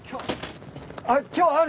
あっ今日ある？